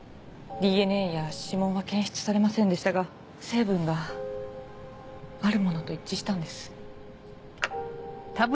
ＤＮＡや指紋は検出されませんでしたが成分があるものと一致したんです。